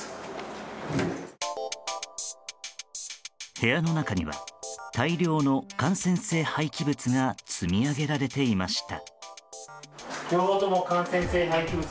部屋の中には大量の感染性廃棄物が積み上げられていました。